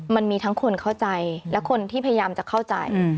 มันมีทั้งคนเข้าใจและคนที่พยายามจะเข้าใจ